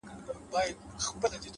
ژمنتیا هدف له خوب څخه واقعیت ته راولي؛